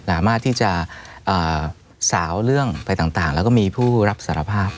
สามารถที่จะสาวเรื่องไปต่างแล้วก็มีผู้รับสารภาพ